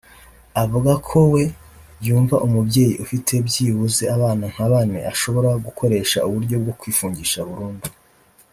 Avuga ko we yumva umubyeyi ufite byibuze abana nka bane ashobora gukoresha uburyo bwo kwifungisha burundu